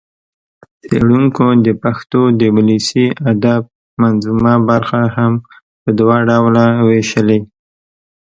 څېړنکو د پښتو د ولسي ادب منظومه برخه هم په دوه ډوله وېشلې